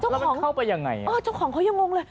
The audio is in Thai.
แล้วมันเข้าไปยังไงเออเจ้าของเขายังงงเลย